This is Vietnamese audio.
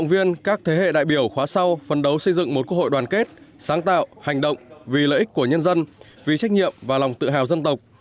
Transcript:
vì lợi ích của nhân dân vì trách nhiệm và lòng tự hào dân tộc